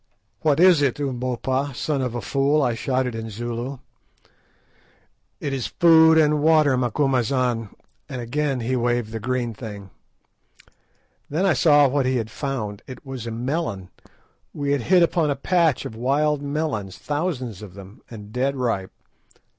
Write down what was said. "What is it, Umbopa, son of a fool?" I shouted in Zulu. "It is food and water, Macumazahn," and again he waved the green thing. Then I saw what he had found. It was a melon. We had hit upon a patch of wild melons, thousands of them, and dead ripe.